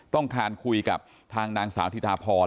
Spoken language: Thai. ต้องการคุยกับทางนางสาวถิตาพร